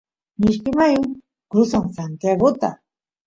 mishki mayu crusan santiaguta